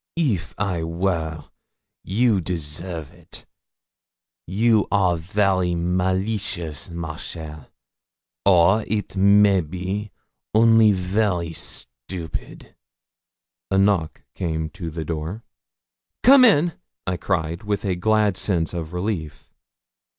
'If I were, you deserve it. You are very malicious, ma chère: or, it may be, only very stupid.' A knock came to the door. 'Come in,' I cried, with a glad sense of relief.